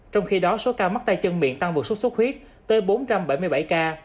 trong khi đó số ca mắc tai chân miệng tăng vượt sốt sốt huyết tới bốn trăm bảy mươi bảy ca